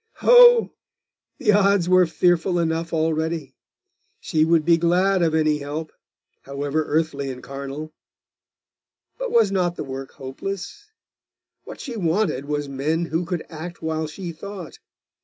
Ho! The odds were fearful enough already; she would be glad of any help, however earthly and carnal. But was not the work hopeless? What she wanted was men who could act while she thought.